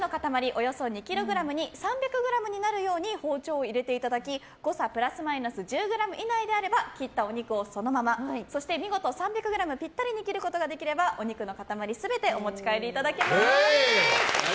およそ２ｋｇに３００ｇになるように包丁を入れていただき誤差プラスマイナス１０ｇ以内であれば切った肉をそのままそして、見事３００ｇぴったりに切ることができればお肉の塊全てお持ち帰りいただけます。